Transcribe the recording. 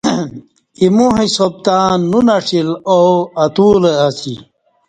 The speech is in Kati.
ایمو حساب تہ نو نݜیل او اتُولہ اسی۔